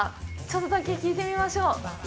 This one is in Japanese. ちょっとだけ聞いてみましょう。